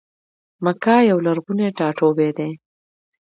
مکه یو لرغونی ټا ټوبی دی.